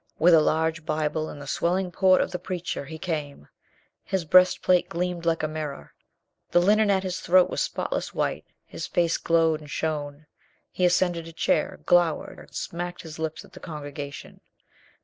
With a large Bible and the swelling port of the preacher, he came. His breastplate gleamed like a mirror, the linen at his throat was spotless white, his face glowed and shone. He ascended a chair, glowered, and smacked his lips at the congregation.